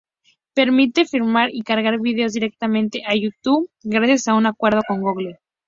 Permite filmar y cargar vídeos directamente a YouTube, gracias a un acuerdo con Google.